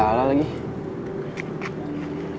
jadi ancur kan hari ini gue gak jadi jalan sama mulan